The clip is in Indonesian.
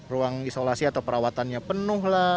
ruang isolasi atau perawatannya penuh lah